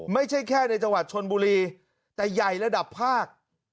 ไม่ใช่แค่ในจังหวัดชนบุรีแต่ใหญ่ระดับภาค